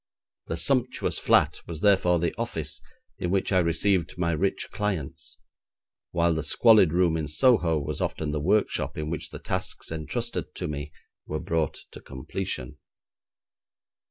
The sumptuous flat was therefore the office in which I received my rich clients, while the squalid room in Soho was often the workshop in which the tasks entrusted to me were brought to completion.